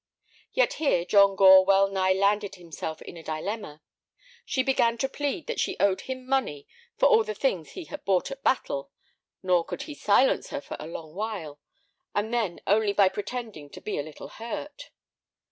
Yet here John Gore wellnigh landed himself in a dilemma. She began to plead that she owed him money for all the things he had bought at Battle, nor could he silence her for a long while, and then only by pretending to be a little hurt.